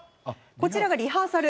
こちらがリハーサル。